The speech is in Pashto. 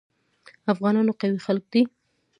افغانان قوي خلک دي.